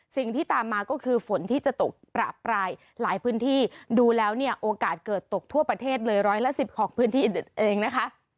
สิ่งที่ตามมาก็คือฝนที่จะตกประปรายหลายพื้นที่ดูแล้วเนี่ยโอกาสเกิดตกทั่วประเทศเลยร้อยละสิบของพื้นที่เองนะคะ